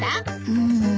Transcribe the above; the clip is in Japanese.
うん。